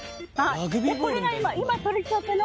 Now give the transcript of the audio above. これが今とりたてのお芋です。